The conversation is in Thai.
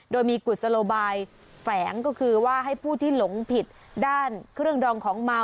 โดยมีกุศโลบายแฝงก็คือว่าให้ผู้ที่หลงผิดด้านเครื่องดองของเมา